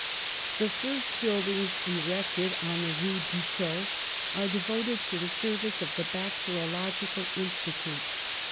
The first buildings, erected on the Rue Dutot, are devoted to the service of the bacteriological Institute.